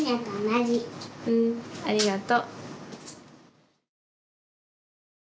うんありがとう。